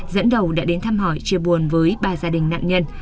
dẫn đầu đã đến thăm hỏi chia buồn với ba gia đình nạn nhân